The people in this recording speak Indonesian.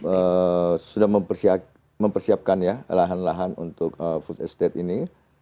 kita sudah mempersiapkan ya lahan lahan untuk food estate ini